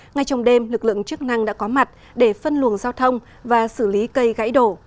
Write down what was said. ngay trong đêm lực lượng chức năng đã có mặt để phân luồng giao thông và xử lý cây gãy đổ